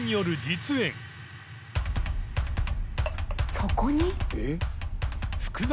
そこに？